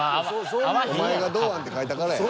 お前が「堂安」って書いたからや。